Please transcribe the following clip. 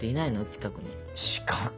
近くに？